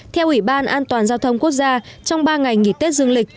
theo ủy ban an toàn giao thông quốc gia trong ba ngày nghỉ tết dương lịch